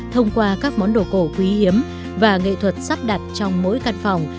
thông qua các món đồ cổ quý hiếm và nghệ thuật sắp đặt trong mỗi căn phòng